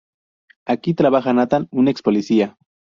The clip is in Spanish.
Aquí trabaja Nathan, un ex policía.